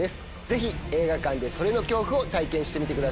ぜひ映画館で“それ”の恐怖を体験してみてください。